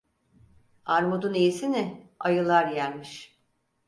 Armudun iyisini ayılar yermiş.